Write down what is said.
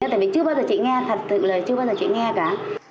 tại vì chưa bao giờ chị nghe thật thật sự là chưa bao giờ chị nghe cả